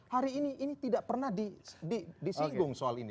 hari ini ini tidak pernah disinggung soal ini